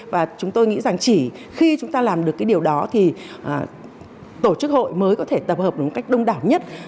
và chúng tôi nghĩ rằng chỉ khi chúng ta làm được cái điều đó thì tổ chức hội mới có thể tập hợp một cách đông đảo nhất